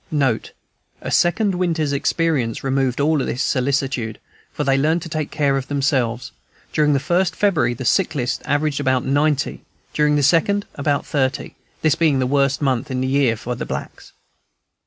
A second winter's experience removed all this solicitude, for they learned to take care of themselves. During the first February the sick list averaged about ninety, during the second about thirty, this being the worst month in the year for blacks.